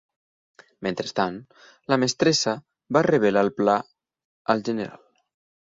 Mentrestant, la mestressa va revelar el pla al general.